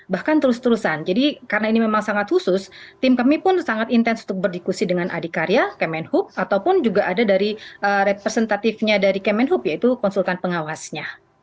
bahkan terus terusan jadi karena ini memang sangat khusus tim kami pun sangat intens untuk berdiskusi dengan adikarya kemenhub ataupun juga ada dari representatifnya dari kemenhub yaitu konsultan pengawasnya